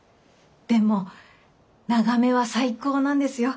でも眺めは最高なんですよ。